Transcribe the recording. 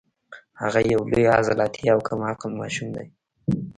هغه یو لوی عضلاتي او کم عقل ماشوم دی